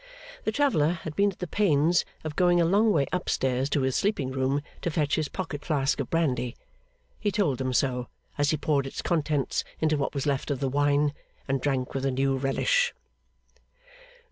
The traveller had been at the pains of going a long way up stairs to his sleeping room to fetch his pocket flask of brandy. He told them so, as he poured its contents into what was left of the wine, and drank with a new relish.